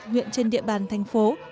nguyện trên địa bàn thành phố